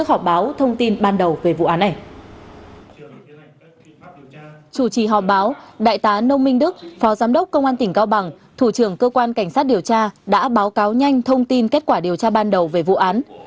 chủ trì họp báo đại tá nông minh đức phó giám đốc công an tỉnh cao bằng thủ trưởng cơ quan cảnh sát điều tra đã báo cáo nhanh thông tin kết quả điều tra ban đầu về vụ án